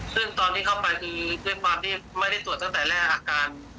ซึ่งตอนที่เข้าไปก็คือเพราะว่าไม่ได้ตรวจตั้งแต่แรกอาการ